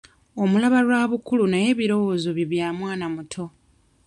Omulaba lwa bukulu naye ebirowoozo bye bya mwana muto.